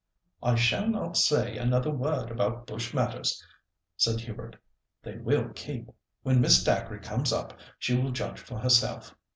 "I shall not say another word about bush matters," said Hubert. "They will keep. When Miss Dacre comes up she will judge for herself.